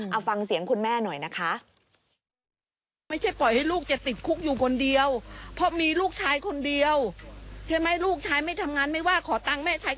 เอาฟังเสียงคุณแม่หน่อยนะคะ